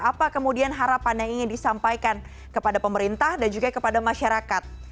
apa kemudian harapan yang ingin disampaikan kepada pemerintah dan juga kepada masyarakat